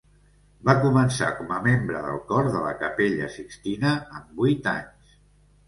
Va començar com a membre del cor de la Capella Sixtina amb vuit anys.